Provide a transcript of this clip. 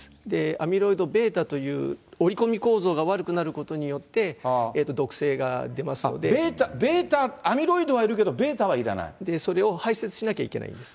アミロイドβという折り込み構造が悪くなることによって、毒性がβ、アミロイドはいるけどβそれを排泄しなきゃいけないんです。